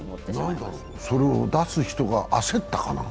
何だろ、それを出す人が焦ったかな？